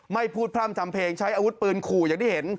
ไม่พูดพร่ำทำเพลงใช้อาวุธปืนขู่อย่างที่เห็น